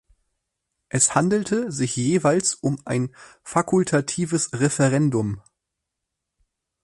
Es handelte sich jeweils um ein fakultatives Referendum.